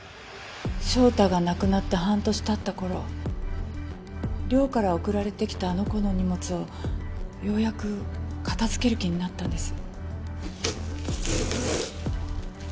翔太が亡くなって半年経った頃寮から送られてきたあの子の荷物をようやく片付ける気になったんです。